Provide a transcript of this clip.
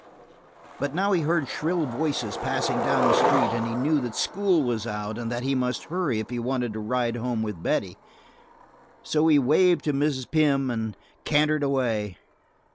But now he heard shrill voices passing down the street and he knew that school was out and that he must hurry if he wanted to ride home with Betty, so he waved to Mrs. Pym and cantered away.